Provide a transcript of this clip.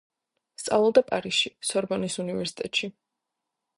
სწავლობდა პარიზში, სორბონის უნივერსიტეტში.